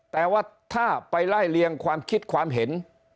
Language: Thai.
แต่ว่าถ้าไปไล่เลียงความคิดความเห็น